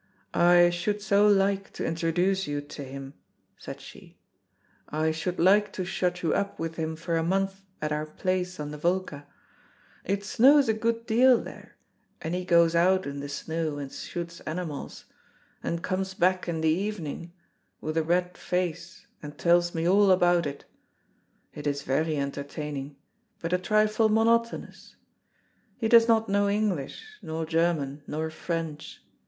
"I should so like to introduce you to him," said she. "I should like to shut you up with him for a month at our place on the Volga. It snows a good deal there, and he goes out in the snow and shoots animals, and comes back in the evening with a red face, and tells me all about it. It is very entertaining, but a trifle monotonous. He does not know English, nor German, nor French.